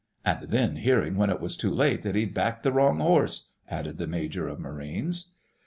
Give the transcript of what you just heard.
"And then hearing when it was too late that he'd backed the wrong horse," added the Major of Marines.